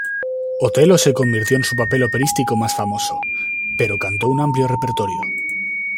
Otello se convirtió en su papel operístico más famoso, pero cantó un amplio repertorio.